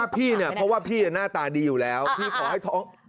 เพราะว่าพี่หน้าตาดีอยู่แล้วพี่ขอให้ท้อง